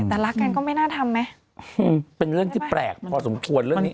แต่รักกันก็ไม่น่าทำไหมเป็นเรื่องที่แปลกพอสมควรเรื่องนี้